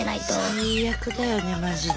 最悪だよねマジで。